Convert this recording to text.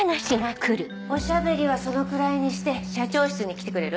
おしゃべりはそのくらいにして社長室に来てくれる？